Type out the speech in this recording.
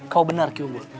kau benar kiwubul